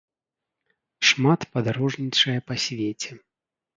Шмат падарожнічае па свеце.